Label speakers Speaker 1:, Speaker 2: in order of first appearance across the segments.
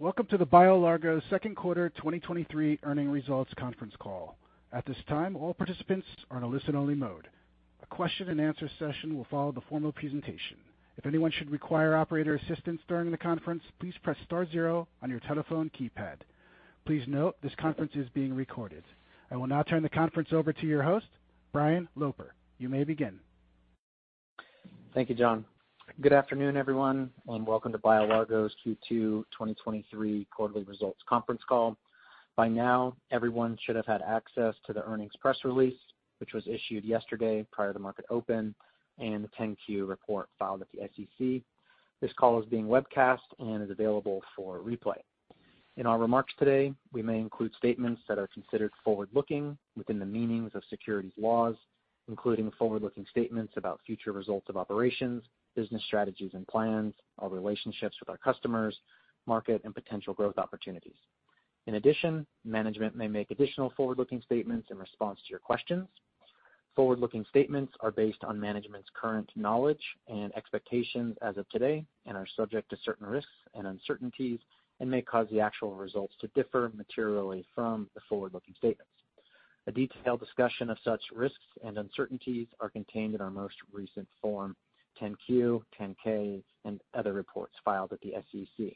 Speaker 1: Welcome to the BioLargo Second Quarter 2023 Earnings Results Conference Call. At this time, all participants are in a listen-only mode. A question-and-answer session will follow the formal presentation. If anyone should require operator assistance during the conference, please press star zero on your telephone keypad. Please note, this conference is being recorded. I will now turn the conference over to your host, Brian Loper. You may begin.
Speaker 2: Thank you, John. Good afternoon, everyone, and welcome to BioLargo's Q2 2023 Quarterly Results conference call. By now, everyone should have had access to the earnings press release, which was issued yesterday prior to market open, and the 10-Q report filed at the SEC. This call is being webcast and is available for replay. In our remarks today, we may include statements that are considered forward-looking within the meanings of securities laws, including forward-looking statements about future results of operations, business strategies and plans, our relationships with our customers, market, and potential growth opportunities. In addition, management may make additional forward-looking statements in response to your questions. Forward-looking statements are based on management's current knowledge and expectations as of today and are subject to certain risks and uncertainties and may cause the actual results to differ materially from the forward-looking statements. A detailed discussion of such risks and uncertainties are contained in our most recent Form 10-Q, 10-K, and other reports filed at the SEC.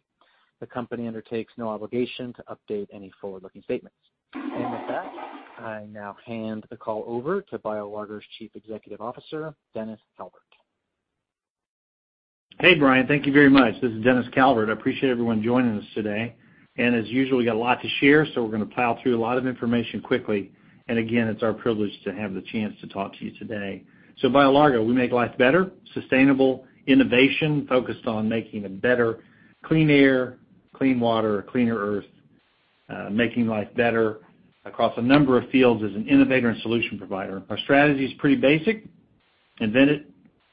Speaker 2: The company undertakes no obligation to update any forward-looking statements. With that, I now hand the call over to BioLargo's Chief Executive Officer, Dennis Calvert.
Speaker 3: Hey, Brian, thank you very much. This is Dennis Calvert. I appreciate everyone joining us today. As usual, we got a lot to share, so we're gonna plow through a lot of information quickly. Again, it's our privilege to have the chance to talk to you today. BioLargo, we make life better, sustainable innovation, focused on making a better, clean air, clean water, a cleaner Earth, making life better across a number of fields as an innovator and solution provider. Our strategy is pretty basic: invent it,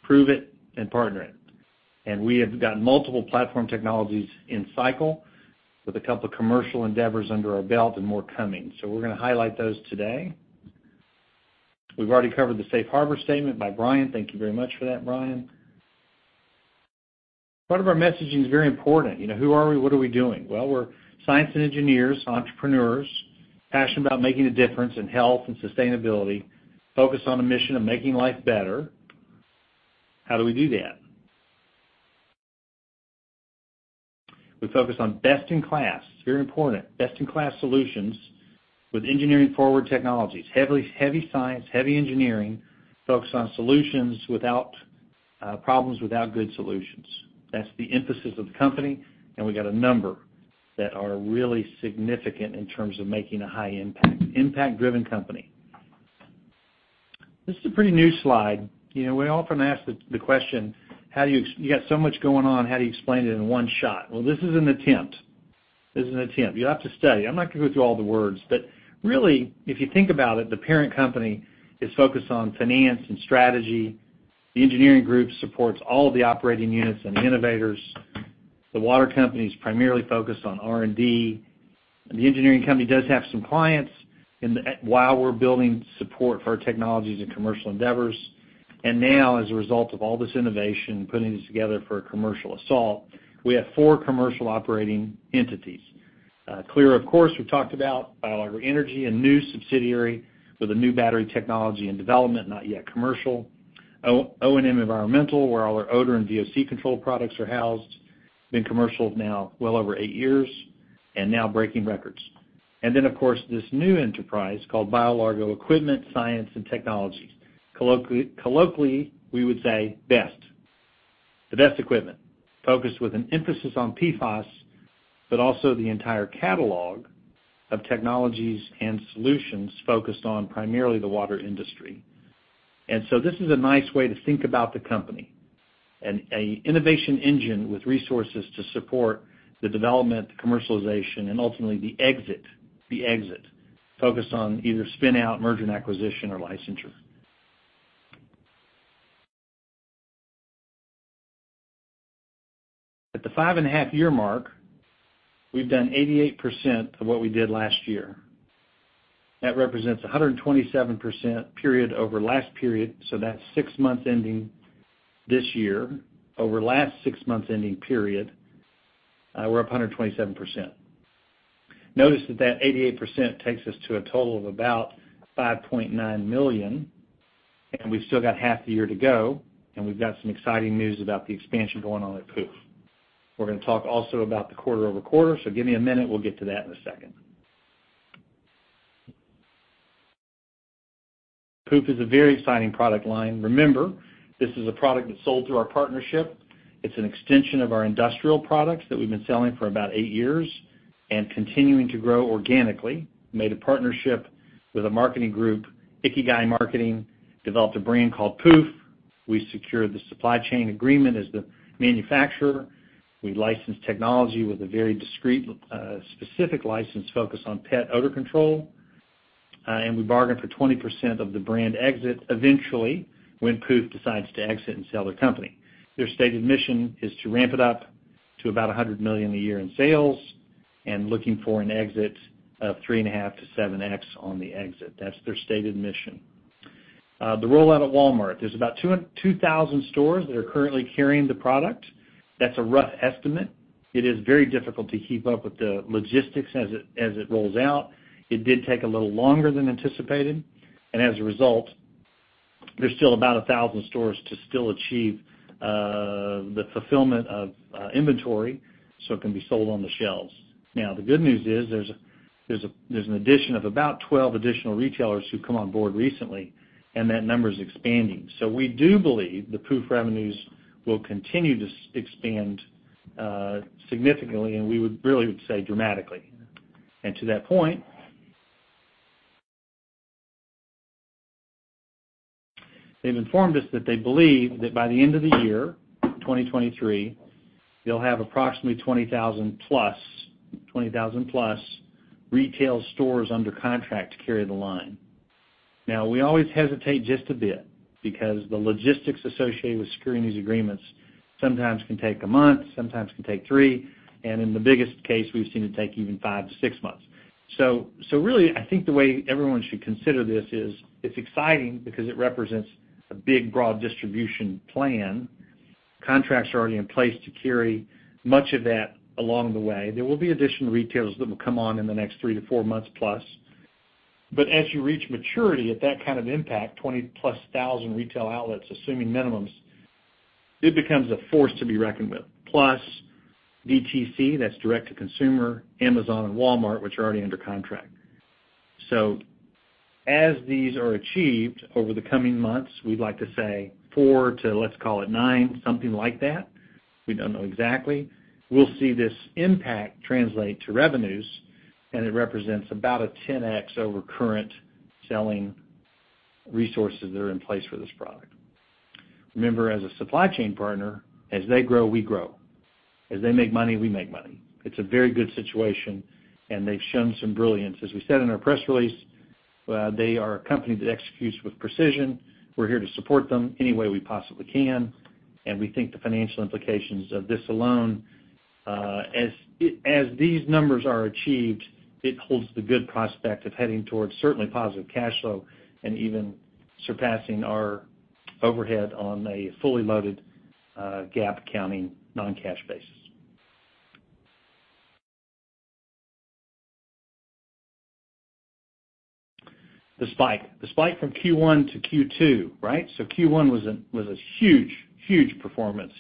Speaker 3: prove it, and partner it. We have got multiple platform technologies in cycle with a couple of commercial endeavors under our belt and more coming. We're gonna highlight those today. We've already covered the Safe Harbor statement by Brian. Thank you very much for that, Brian. Part of our messaging is very important. You know, who are we? What are we doing? Well, we're science and engineers, entrepreneurs, passionate about making a difference in health and sustainability, focused on a mission of making life better. How do we do that? We focus on best-in-class. It's very important, best-in-class solutions with engineering forward technologies, heavy science, heavy engineering, focused on solutions without problems, without good solutions. That's the emphasis of the company. We got a number that are really significant in terms of making a high impact, impact-driven company. This is a pretty new slide. You know, we often ask the question, "You got so much going on, how do you explain it in one shot?" Well, this is an attempt. This is an attempt. You'll have to study. I'm not gonna go through all the words, but really, if you think about it, the parent company is focused on finance and strategy. The engineering group supports all the operating units and the innovators. The water company is primarily focused on R&D. The engineering company does have some clients in the while we're building support for our technologies and commercial endeavors. Now, as a result of all this innovation, putting this together for a commercial assault, we have four commercial operating entities. Clyra, of course, we've talked about BioLargo Energy, a new subsidiary with a new battery technology and development, not yet commercial. ONM Environmental, where all our odor and VOC control products are housed, been commercial now well over eight years, and now breaking records. Then, of course, this new enterprise called BioLargo Equipment, Science and Technologies. Colloquially, we would say, BEST. The best equipment, focused with an emphasis on PFAS, but also the entire catalog of technologies and solutions focused on primarily the water industry. So this is a nice way to think about the company, an innovation engine with resources to support the development, commercialization, and ultimately, the exit, focused on either spin-out, merger and acquisition, or licensure. At the half-year mark, we've done 88% of what we did last year. That represents 127% period over last period, so that's six months ending this year. Over last six months ending period, we're up 127%. Notice that that 88% takes us to a total of about $5.9 million, and we've still got half the year to go, and we've got some exciting news about the expansion going on at Pooph. We're gonna talk also about the quarter-over-quarter, so give me a minute, we'll get to that in a second. Pooph is a very exciting product line. Remember, this is a product that's sold through our partnership. It's an extension of our industrial products that we've been selling for about eight years and continuing to grow organically. Made a partnership with a marketing group, Ikigai Marketing Works, developed a brand called Pooph. We secured the supply chain agreement as the manufacturer. We licensed technology with a very discrete, specific license focused on pet odor control, and we bargained for 20% of the brand exit eventually, when Pooph decides to exit and sell their company. Their stated mission is to ramp it up to about $100 million a year in sales and looking for an exit of 3.5x-7x on the exit. That's their stated mission. The rollout at Walmart, there's about 2,000 stores that are currently carrying the product. That's a rough estimate. It is very difficult to keep up with the logistics as it, as it rolls out. It did take a little longer than anticipated, and as a result, there's still about 1,000 stores to still achieve the fulfillment of inventory, so it can be sold on the shelves. The good news is, there's an addition of about 12 additional retailers who've come on board recently, and that number is expanding. We do believe the Pooph revenues will continue to expand significantly, and we would really say dramatically. To that point, they've informed us that they believe that by the end of 2023, they'll have approximately 20,000+ retail stores under contract to carry the line. We always hesitate just a bit because the logistics associated with securing these agreements sometimes can take a month, sometimes can take three, and in the biggest case, we've seen it take even 5-6 months. Really, I think the way everyone should consider this is, it's exciting because it represents a big, broad distribution plan. Contracts are already in place to carry much of that along the way. There will be additional retailers that will come on in the next three to four months plus. As you reach maturity at that kind of impact, 20,000+ retail outlets, assuming minimums, it becomes a force to be reckoned with. Plus, DTC, that's direct-to-consumer, Amazon and Walmart, which are already under contract. As these are achieved over the coming months, we'd like to say four to, let's call it, nine, something like that. We don't know exactly. We'll see this impact translate to revenues, and it represents about a 10x over current selling resources that are in place for this product. Remember, as a supply chain partner, as they grow, we grow. As they make money, we make money. It's a very good situation, and they've shown some brilliance. As we said in our press release, they are a company that executes with precision. We're here to support them any way we possibly can, and we think the financial implications of this alone, as it-- as these numbers are achieved, it holds the good prospect of heading towards certainly positive cash flow and even surpassing our overhead on a fully loaded, GAAP accounting non-cash basis. The spike. The spike from Q1 to Q2, right? Q1 was a, was a huge, huge performance.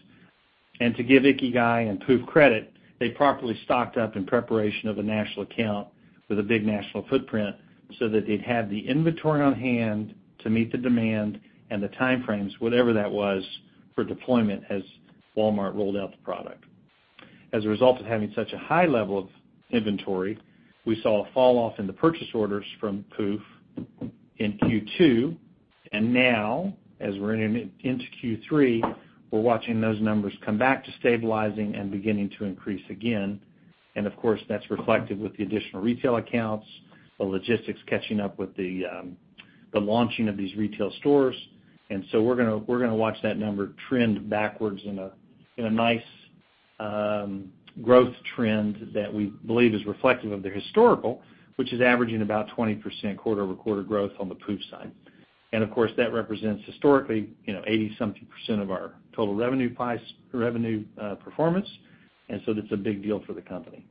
Speaker 3: To give Ikigai and Pooph credit, they properly stocked up in preparation of a national account with a big national footprint so that they'd have the inventory on hand to meet the demand and the time frames, whatever that was, for deployment as Walmart rolled out the product. As a result of having such a high level of inventory, we saw a falloff in the purchase orders from Pooph in Q2, now, as we're into Q3, we're watching those numbers come back to stabilizing and beginning to increase again. Of course, that's reflected with the additional retail accounts, the logistics catching up with the, the launching of these retail stores. We're gonna, we're gonna watch that number trend backwards in a, in a nice, growth trend that we believe is reflective of the historical, which is averaging about 20% quarter-over-quarter growth on the Pooph side. Of course, that represents historically, you know, 80-something percent of our total revenue price, revenue, performance, so that's a big deal for the company.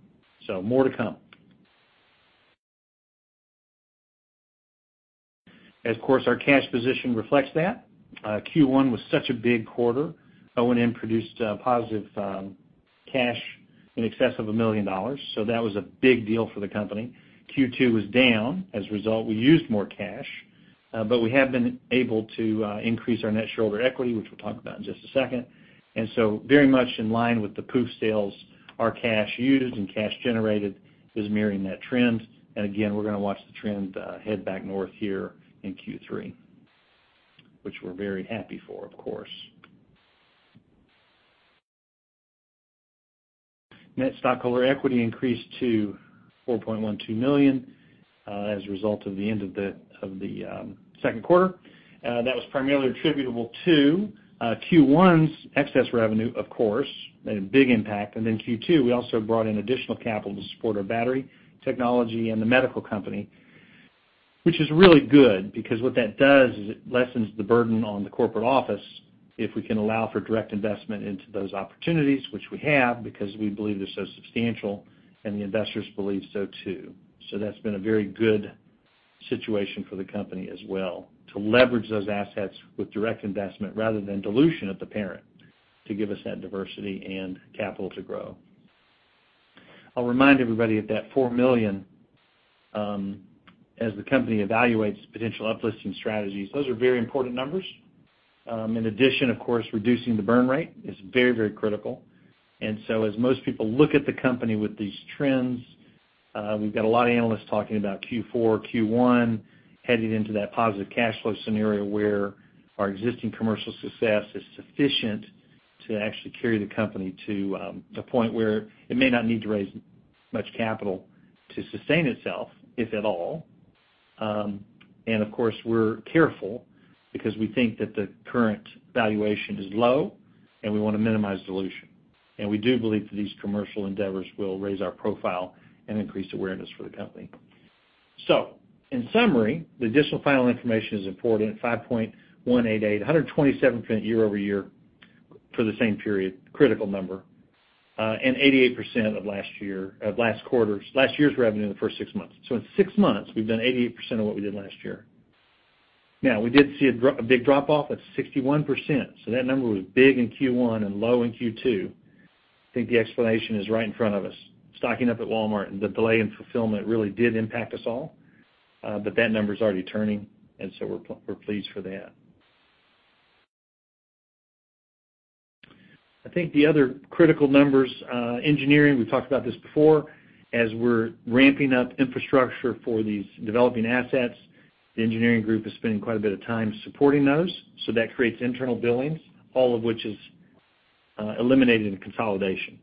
Speaker 3: More to come. Of course, our cash position reflects that. Q1 was such a big quarter. ONM produced positive cash in excess of $1 million, so that was a big deal for the company. Q2 was down. As a result, we used more cash, but we have been able to increase our net shareholder equity, which we'll talk about in just a second. Very much in line with the Pooph sales, our cash used and cash generated is mirroring that trend. Again, we're gonna watch the trend head back north here in Q3, which we're very happy for, of course. Net stockholder equity increased to $4.12 million as a result of the end of the second quarter. That was primarily attributable to Q1's excess revenue, of course, had a big impact. Then Q2, we also brought in additional capital to support our battery technology and the medical company, which is really good because what that does is it lessens the burden on the corporate office if we can allow for direct investment into those opportunities, which we have, because we believe they're so substantial and the investors believe so, too. That's been a very good situation for the company as well, to leverage those assets with direct investment rather than dilution of the parent, to give us that diversity and capital to grow. I'll remind everybody of that $4 million as the company evaluates potential uplisting strategies. Those are very important numbers. In addition, of course, reducing the burn rate is very, very critical. As most people look at the company with these trends, we've got a lot of analysts talking about Q4, Q1, heading into that positive cash flow scenario, where our existing commercial success is sufficient to actually carry the company to the point where it may not need to raise much capital to sustain itself, if at all. Of course, we're careful because we think that the current valuation is low, and we want to minimize dilution. And we do believe that these commercial endeavors will raise our profile and increase awareness for the company. In summary, the additional filing information is important, 5.88, 127% year-over-year for the same period, critical number, and 88% of last year's revenue in the first six months. In six months, we've done 88% of what we did last year. Now, we did see a big drop off at 61%, so that number was big in Q1 and low in Q2. I think the explanation is right in front of us, stocking up at Walmart, and the delay in fulfillment really did impact us all. That number is already turning, and so we're pleased for that. I think the other critical numbers, engineering, we've talked about this before. As we're ramping up infrastructure for these developing assets, the engineering group is spending quite a bit of time supporting those, so that creates internal billings, all of which is eliminated in consolidation.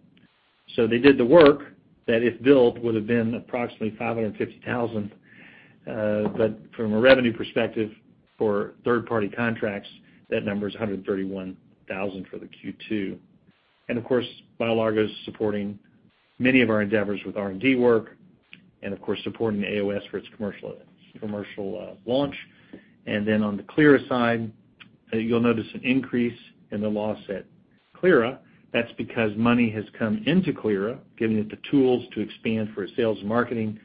Speaker 3: They did the work that, if billed, would have been approximately $550,000. From a revenue perspective, for third-party contracts, that number is $131,000 for the Q2. Of course, BioLargo is supporting many of our endeavors with R&D work and, of course, supporting the AOS for its commercial, commercial launch. On the Clyra side, you'll notice an increase in the loss at Clyra. That's because money has come into Clyra, giving it the tools to expand for its sales and marketing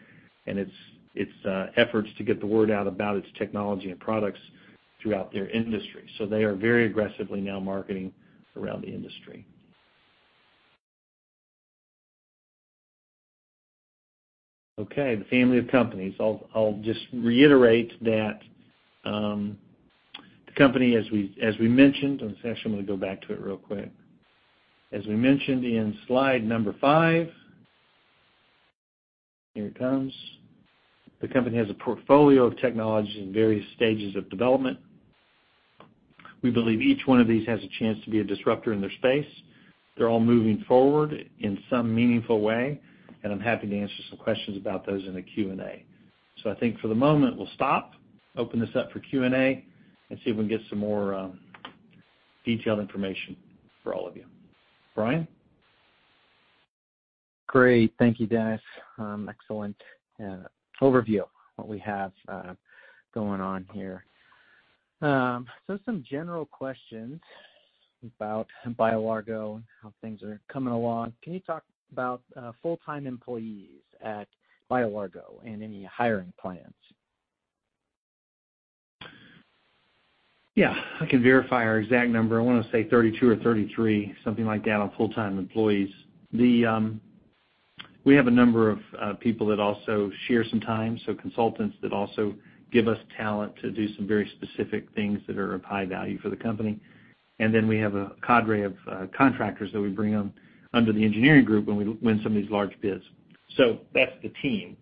Speaker 3: and its, its efforts to get the word out about its technology and products throughout their industry. They are very aggressively now marketing around the industry. The family of companies. I'll, I'll just reiterate that, the company, as we, as we mentioned, I'm going to go back to it real quick. As we mentioned in slide number five. Here it comes. The company has a portfolio of technologies in various stages of development. We believe each one of these has a chance to be a disruptor in their space. They're all moving forward in some meaningful way, and I'm happy to answer some questions about those in the Q&A. I think for the moment, we'll stop, open this up for Q&A, and see if we can get some more detailed information for all of you. Brian?
Speaker 2: Great. Thank you, Dennis. Excellent overview of what we have going on here. Some general questions about BioLargo and how things are coming along. Can you talk about full-time employees at BioLargo and any hiring plans?
Speaker 3: Yeah, I can verify our exact number. I want to say 32 or 33, something like that, on full-time employees. We have a number of people that also share some time, so consultants that also give us talent to do some very specific things that are of high value for the company. We have a cadre of contractors that we bring on under the engineering group when we win some of these large bids. That's the team.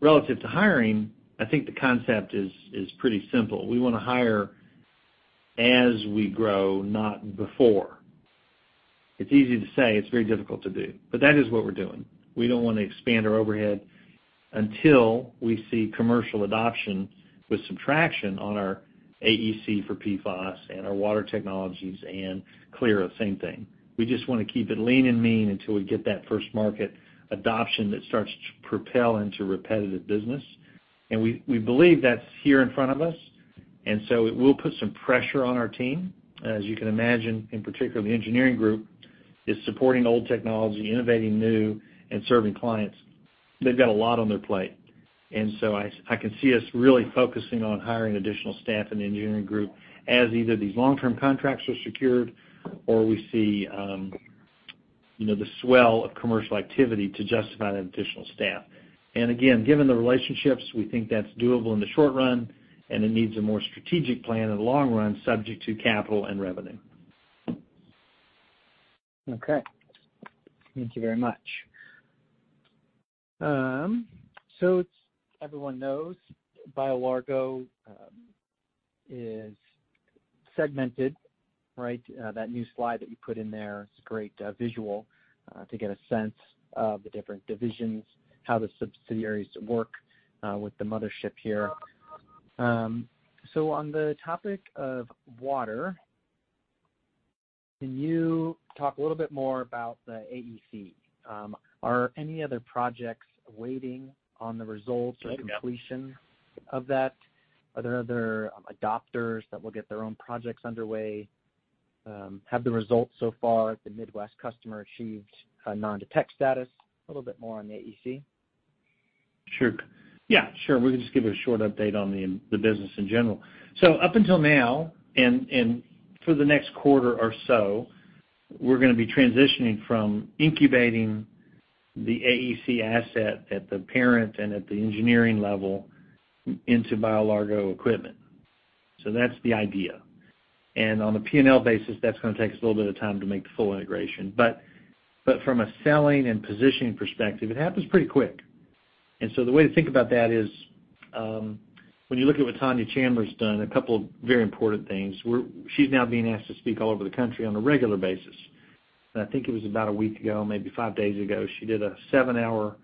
Speaker 3: Relative to hiring, I think the concept is, is pretty simple. We want to hire as we grow, not before. It's easy to say, it's very difficult to do, but that is what we're doing. We don't want to expand our overhead until we see commercial adoption with some traction on our AEC for PFAS and our water technologies, and Clyra, same thing. We just want to keep it lean and mean until we get that first market adoption that starts to propel into repetitive business. We, we believe that's here in front of us, it will put some pressure on our team. As you can imagine, in particular, the engineering group is supporting old technology, innovating new, and serving clients. They've got a lot on their plate, I, I can see us really focusing on hiring additional staff in the engineering group as either these long-term contracts are secured or we see, you know, the swell of commercial activity to justify the additional staff. Again, given the relationships, we think that's doable in the short run, and it needs a more strategic plan in the long run, subject to capital and revenue.
Speaker 2: Okay. Thank you very much. Everyone knows BioLargo is segmented, right? That new slide that you put in there is a great visual to get a sense of the different divisions, how the subsidiaries work with the mothership here. On the topic of water, can you talk a little bit more about the AEC? Are any other projects waiting on the results or completion of that? Are there other adopters that will get their own projects underway? Have the results so far at the Midwest customer achieved a non-detect status? A little bit more on the AEC.
Speaker 3: Sure. Yeah, sure. We can just give a short update on the, the business in general. Up until now, and for the next quarter or so, we're going to be transitioning from incubating the AEC asset at the parent and at the engineering level into BioLargo Equipment. That's the idea. On a P&L basis, that's going to take us a little bit of time to make the full integration. From a selling and positioning perspective, it happens pretty quick. The way to think about that is, when you look at what Tonya Chandler's done, a couple of very important things. She's now being asked to speak all over the country on a regular basis. I think it was about a week ago, maybe five days ago, she did a seven-hour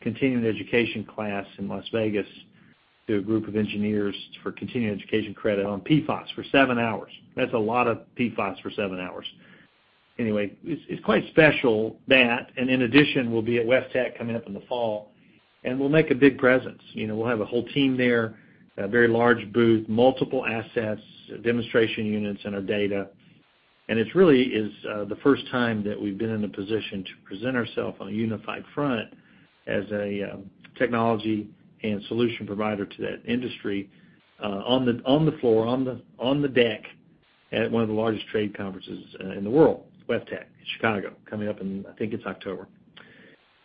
Speaker 3: continuing education class in Las Vegas. to a group of engineers for continuing education credit on PFAS for seven hours. That's a lot of PFAS for seven hours. Anyway, it's, it's quite special that, and in addition, we'll be at WEFTEC coming up in the fall, and we'll make a big presence. You know, we'll have a whole team there, a very large booth, multiple assets, demonstration units, and our data. It's really is the first time that we've been in a position to present ourself on a unified front as a technology and solution provider to that industry on the, on the floor, on the, on the deck at one of the largest trade conferences in the world, WEFTEC in Chicago, coming up in, I think it's October.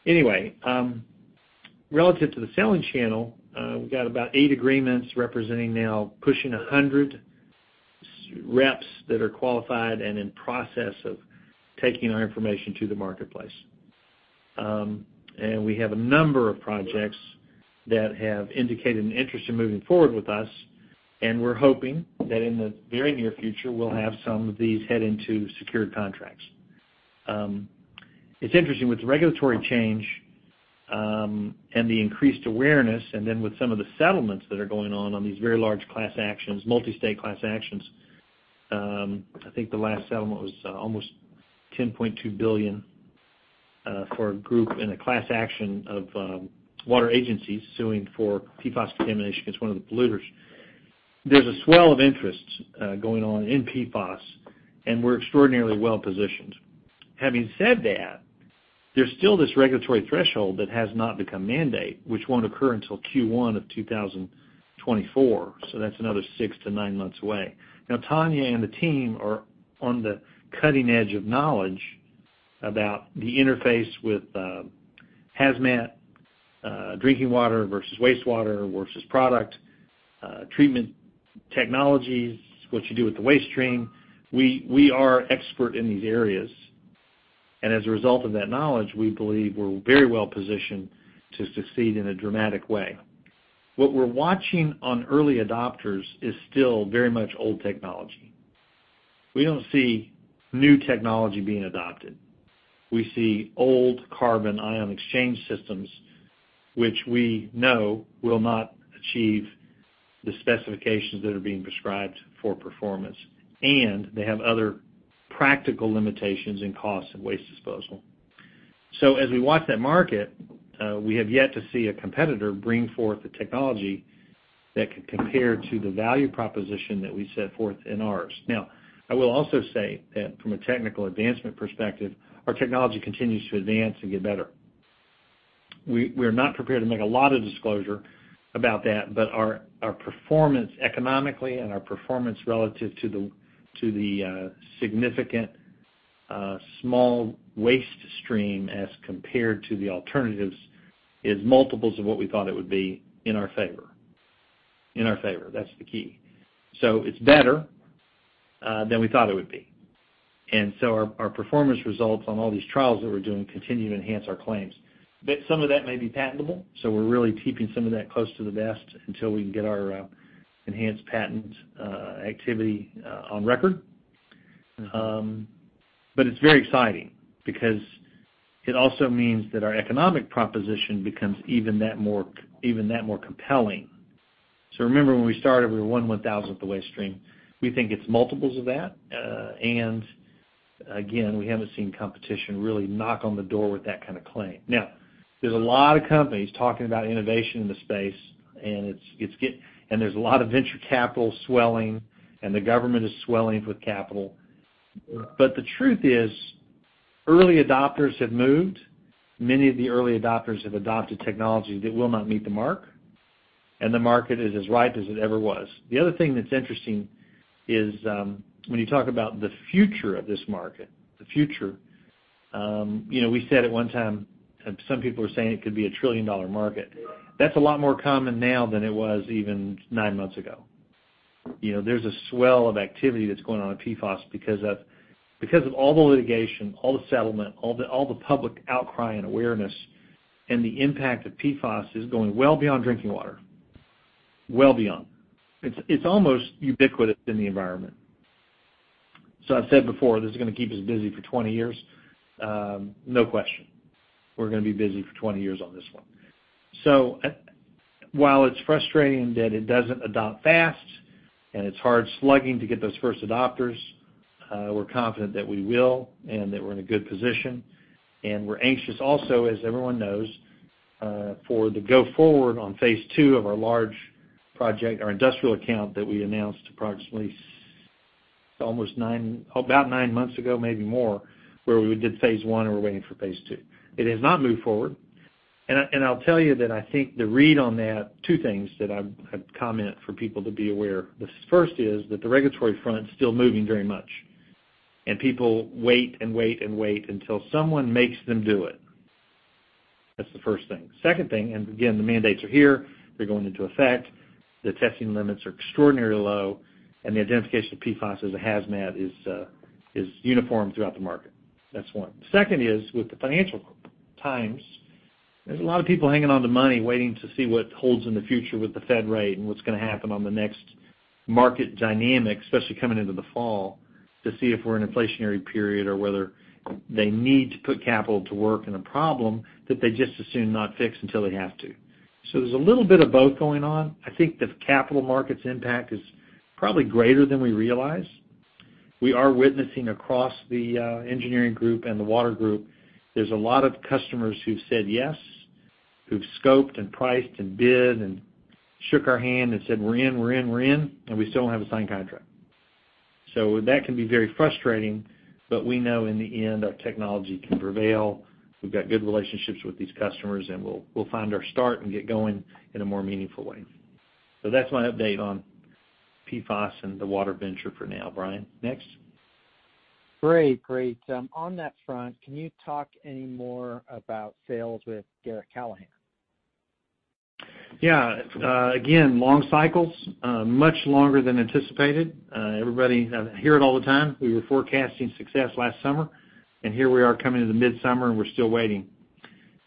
Speaker 3: Anyway, relative to the selling channel, we've got about eight agreements representing now pushing 100 reps that are qualified and in process of taking our information to the marketplace. We have a number of projects that have indicated an interest in moving forward with us, and we're hoping that in the very near future, we'll have some of these head into secured contracts. It's interesting, with the regulatory change, and the increased awareness, and then with some of the settlements that are going on on these very large class actions, multi-state class actions, I think the last settlement was almost $10.2 billion for a group in a class action of water agencies suing for PFAS contamination against one of the polluters. There's a swell of interest going on in PFAS, and we're extraordinarily well positioned. Having said that, there's still this regulatory threshold that has not become mandate, which won't occur until Q1 of 2024, so that's another 6-9 months away. Tonya and the team are on the cutting edge of knowledge about the interface with hazmat, drinking water versus wastewater versus product, treatment technologies, what you do with the waste stream. We, we are expert in these areas, and as a result of that knowledge, we believe we're very well positioned to succeed in a dramatic way. What we're watching on early adopters is still very much old technology. We don't see new technology being adopted. We see old carbon ion exchange systems, which we know will not achieve the specifications that are being prescribed for performance, and they have other practical limitations in costs and waste disposal. As we watch that market, we have yet to see a competitor bring forth a technology that could compare to the value proposition that we set forth in ours. I will also say that from a technical advancement perspective, our technology continues to advance and get better. We're not prepared to make a lot of disclosure about that, but our, our performance economically and our performance relative to the, to the significant, small waste stream as compared to the alternatives, is multiples of what we thought it would be in our favor. In our favor, that's the key. It's better than we thought it would be. Our, our performance results on all these trials that we're doing continue to enhance our claims. Some of that may be patentable, so we're really keeping some of that close to the vest until we can get our enhanced patent activity on record. It's very exciting because it also means that our economic proposition becomes even that more, even that more compelling. Remember, when we started, we were one one-thousandth the waste stream. We think it's multiples of that, and again, we haven't seen competition really knock on the door with that kind of claim. There's a lot of companies talking about innovation in the space, and there's a lot of venture capital swelling, and the government is swelling with capital. The truth is, early adopters have moved. Many of the early adopters have adopted technologies that will not meet the mark, and the market is as ripe as it ever was. The other thing that's interesting is, when you talk about the future of this market, the future, you know, we said at one time, and some people are saying it could be a trillion-dollar market. That's a lot more common now than it was even nine months ago. You know, there's a swell of activity that's going on in PFAS because of, because of all the litigation, all the settlement, all the, all the public outcry and awareness, and the impact of PFAS is going well beyond drinking water. Well beyond. It's, it's almost ubiquitous in the environment. I've said before, this is gonna keep us busy for 20 years. No question. We're gonna be busy for 20 years on this one. While it's frustrating that it doesn't adopt fast, and it's hard slugging to get those first adopters, we're confident that we will and that we're in a good position. We're anxious also, as everyone knows, for the go-forward on phase two of our large project, our industrial account that we announced approximately almost about nine months ago, maybe more, where we did phase one, and we're waiting for phase two. It has not moved forward. I'll tell you that I think the read on that, two things that I've, I've comment for people to be aware. The first is that the regulatory front is still moving very much, and people wait and wait and wait until someone makes them do it. That's the first thing. Second thing, again, the mandates are here, they're going into effect, the testing limits are extraordinarily low, and the identification of PFAS as a hazmat is uniform throughout the market. That's one. Second is, with the financial times, there's a lot of people hanging on to money, waiting to see what holds in the future with the Fed rate and what's gonna happen on the next market dynamics, especially coming into the fall, to see if we're in an inflationary period or whether they need to put capital to work in a problem that they'd just as soon not fix until they have to. There's a little bit of both going on. I think the capital markets impact is probably greater than we realize. We are witnessing across the engineering group and the water group, there's a lot of customers who've said yes, who've scoped and priced and bid and shook our hand and said, "We're in, we're in, we're in," and we still don't have a signed contract. That can be very frustrating, but we know in the end, our technology can prevail. We've got good relationships with these customers, and we'll, we'll find our start and get going in a more meaningful way. That's my update on PFAS and the water venture for now, Brian. Next?
Speaker 2: Great, great. on that front, can you talk any more about sales with Garratt-Callahan?
Speaker 3: Yeah. Again, long cycles, much longer than anticipated. Everybody, I hear it all the time. We were forecasting success last summer. Here we are coming into midsummer, and we're still waiting.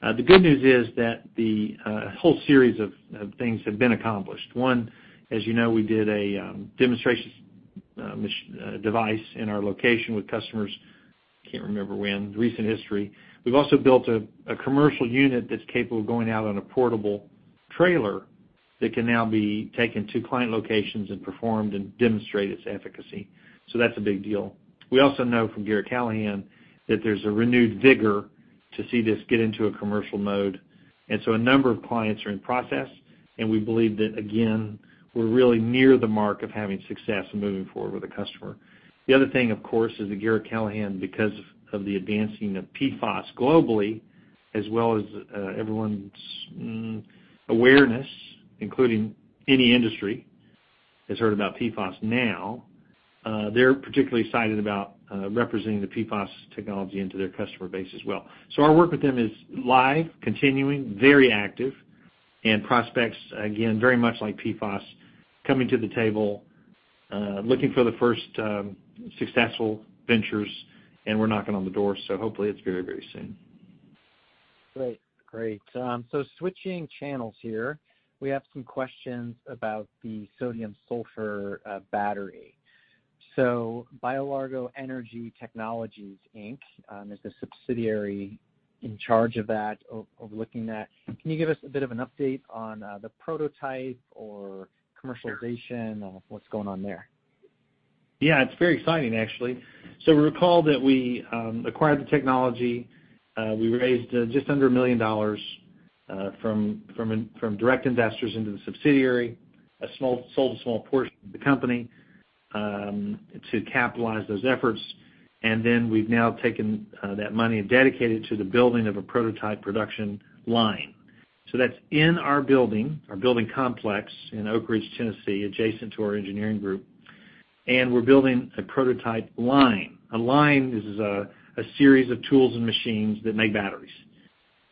Speaker 3: The good news is that the whole series of things have been accomplished. One, as you know, we did a demonstration device in our location with customers. I can't remember when, recent history. We've also built a commercial unit that's capable of going out on a portable trailer that can now be taken to client locations and performed and demonstrate its efficacy. That's a big deal. We also know from Garratt-Callahan that there's a renewed vigor to see this get into a commercial mode. A number of clients are in process, and we believe that, again, we're really near the mark of having success and moving forward with a customer. The other thing, of course, is that Garratt-Callahan, because of, of the advancing of PFAS globally, as well as everyone's awareness, including any industry, has heard about PFAS now, they're particularly excited about representing the PFAS technology into their customer base as well. Our work with them is live, continuing, very active, and prospects, again, very much like PFAS, coming to the table, looking for the first successful ventures, and we're knocking on the door, so hopefully, it's very, very soon.
Speaker 2: Great. Great. switching channels here, we have some questions about the sodium-sulfur battery. BioLargo Energy Technologies, Inc., is the subsidiary in charge of that, of looking at that. Can you give us a bit of an update on the prototype or commercialization-
Speaker 3: Sure
Speaker 2: or what's going on there?
Speaker 3: Yeah, it's very exciting, actually. Recall that we acquired the technology, we raised just under $1 million from, from, from direct investors into the subsidiary, a small- sold a small portion of the company to capitalize those efforts. Then we've now taken that money and dedicated it to the building of a prototype production line. That's in our building, our building complex in Oak Ridge, Tennessee, adjacent to our engineering group. We're building a prototype line. A line is a, a series of tools and machines that make batteries.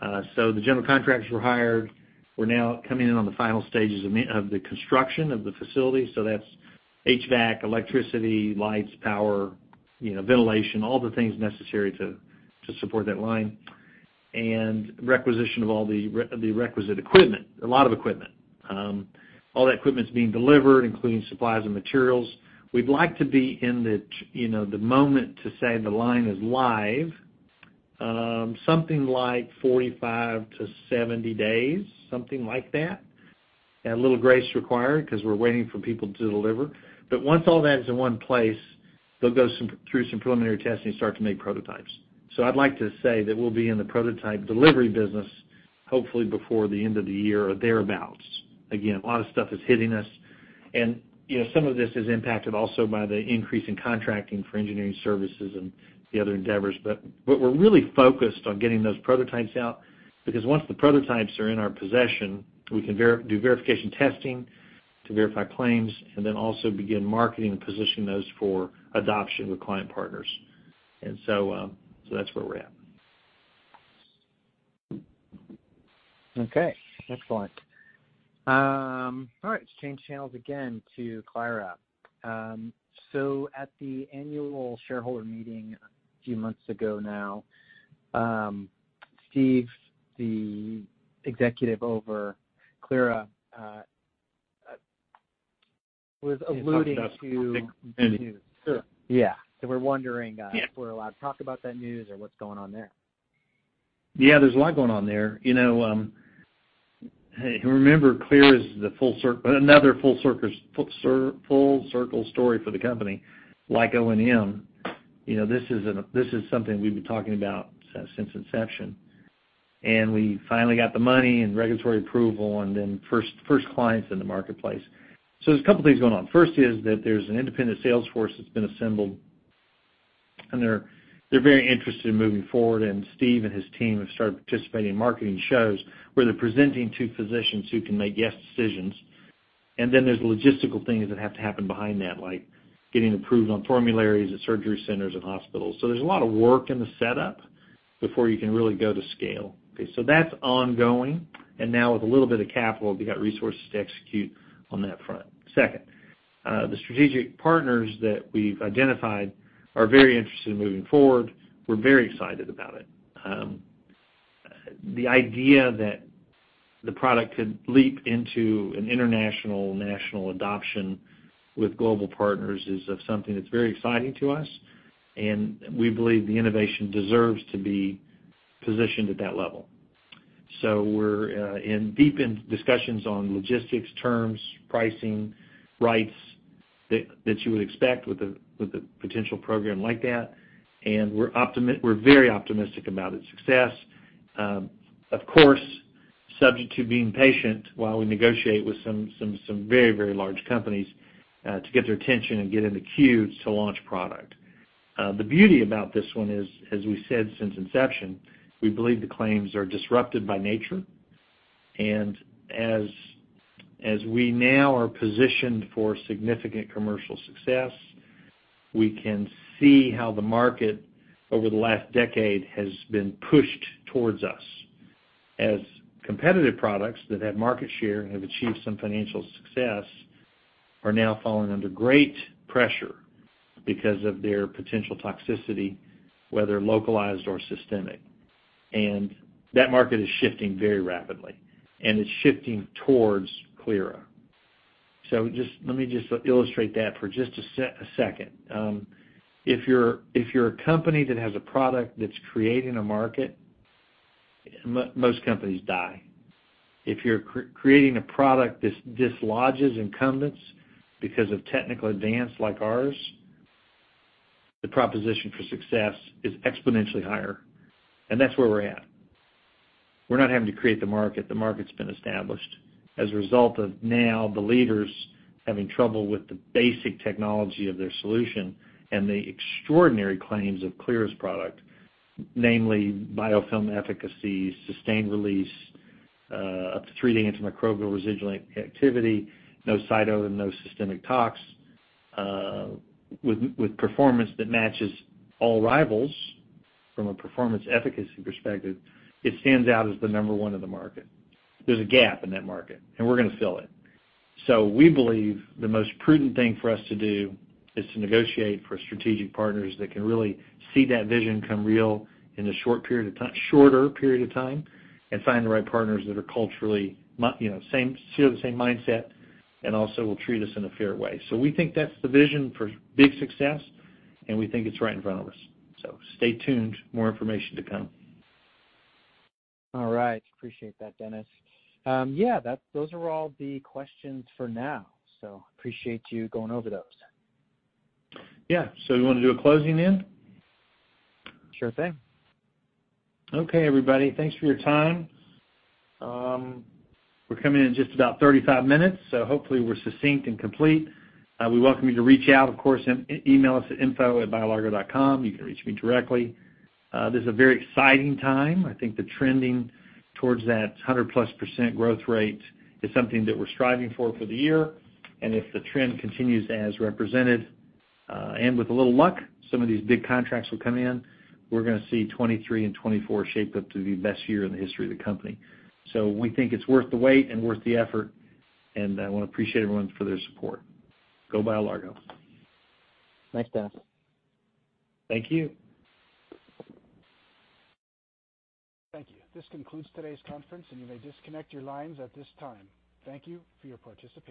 Speaker 3: The general contractors were hired. We're now coming in on the final stages of the construction of the facility, so that's HVAC, electricity, lights, power, you know, ventilation, all the things necessary to support that line, and requisition of all the requisite equipment, a lot of equipment. All that equipment's being delivered, including supplies and materials. We'd like to be in the, you know, the moment to say the line is live, something like 45-70 days, something like that. A little grace required because we're waiting for people to deliver. Once all that is in one place, they'll go through some preliminary testing and start to make prototypes. I'd like to say that we'll be in the prototype delivery business, hopefully before the end of the year or thereabouts. Again, a lot of stuff is hitting us, and, you know, some of this is impacted also by the increase in contracting for engineering services and the other endeavors. What we're really focused on getting those prototypes out, because once the prototypes are in our possession, we can do verification testing to verify claims, and then also begin marketing and position those for adoption with client partners. So, so that's where we're at.
Speaker 2: Okay. Excellent. All right, let's change channels again to Clyra. At the annual shareholder meeting a few months ago now, Steve, the executive over Clyra, was alluding to-
Speaker 3: Talking about, I think.
Speaker 2: Sure. Yeah. We're wondering...
Speaker 3: Yeah
Speaker 2: if we're allowed to talk about that news or what's going on there.
Speaker 3: Yeah, there's a lot going on there. You know, hey, remember, Clyra is the full circle story for the company, like ONM. You know, this is something we've been talking about since inception, and we finally got the money and regulatory approval and then 1st clients in the marketplace. There's two things going on. 1st is that there's an independent sales force that's been assembled, and they're, they're very interested in moving forward, and Steve and his team have started participating in marketing shows where they're presenting to physicians who can make yes decisions. Then there's logistical things that have to happen behind that, like getting approved on formularies at surgery centers and hospitals. There's a lot of work in the setup before you can really go to scale. That's ongoing, and now with a little bit of capital, we've got resources to execute on that front. Second, the strategic partners that we've identified are very interested in moving forward. We're very excited about it. The idea that the product could leap into an international, national adoption with global partners is of something that's very exciting to us, and we believe the innovation deserves to be positioned at that level. We're in deep in discussions on logistics, terms, pricing, rights, that, that you would expect with a, with a potential program like that, and we're very optimistic about its success. Of course, subject to being patient while we negotiate with some, some, some very, very large companies, to get their attention and get in the queues to launch product. The beauty about this one is, as we said since inception, we believe the claims are disrupted by nature. As, as we now are positioned for significant commercial success, we can see how the market over the last decade has been pushed towards us. As competitive products that have market share and have achieved some financial success, are now falling under great pressure because of their potential toxicity, whether localized or systemic. That market is shifting very rapidly, and it's shifting towards Clyra. Just let me just illustrate that for just a second. If you're, if you're a company that has a product that's creating a market, most companies die. If you're creating a product that dislodges incumbents because of technical advance like ours, the proposition for success is exponentially higher, and that's where we're at. We're not having to create the market. The market's been established as a result of now the leaders having trouble with the basic technology of their solution and the extraordinary claims of Clyra's product, namely biofilm efficacy, sustained release, up to three-day antimicrobial residual activity, no cytotoxicity and no systemic tox, with, with performance that matches all rivals from a performance efficacy perspective, it stands out as the number 1 in the market. There's a gap in that market, and we're gonna fill it. We believe the most prudent thing for us to do is to negotiate for strategic partners that can really see that vision come real in a short period of time, shorter period of time, and find the right partners that are culturally you know, same, share the same mindset and also will treat us in a fair way. We think that's the vision for big success, and we think it's right in front of us. Stay tuned. More information to come.
Speaker 2: All right. Appreciate that, Dennis. Yeah, those are all the questions for now. Appreciate you going over those.
Speaker 3: Yeah. you wanna do a closing in?
Speaker 2: Sure thing.
Speaker 3: Okay, everybody, thanks for your time. We're coming in at just about 35 minutes, so hopefully, we're succinct and complete. We welcome you to reach out, of course, and email us at info@biolargo.com. You can reach me directly. This is a very exciting time. I think the trending towards that 100+% growth rate is something that we're striving for for the year, and if the trend continues as represented, and with a little luck, some of these big contracts will come in, we're gonna see 2023 and 2024 shape up to the best year in the history of the company. We think it's worth the wait and worth the effort, and wanna appreciate everyone for their support. Go BioLargo.
Speaker 2: Thanks, Dennis.
Speaker 3: Thank you.
Speaker 1: Thank you. This concludes today's conference, and you may disconnect your lines at this time. Thank you for your participation.